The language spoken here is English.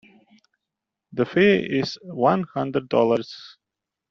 The fee is one hundred dollars.